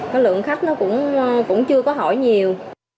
cái lượng khách nó cũng chưa có hỏi nhiều